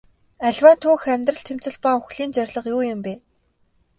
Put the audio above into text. Аливаа түүх амьдрал тэмцэл ба үхлийн зорилго юу юм бэ?